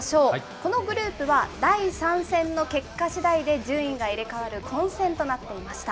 このグループは、第３戦の結果しだいで順位が入れ代わる混戦となっていました。